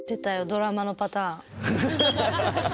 ドラマのパターン。